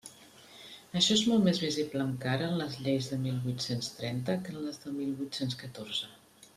Això és molt més visible encara en les lleis de mil vuit-cents trenta que en les de mil vuit-cents catorze.